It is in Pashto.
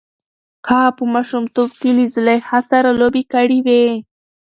هغه په ماشومتوب کې له زلیخا سره لوبې کړې وې.